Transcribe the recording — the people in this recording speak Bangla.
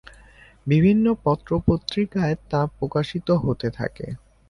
বিভিন্ন পত্রপত্রিকায় তা প্রকাশিত হতে থাকে।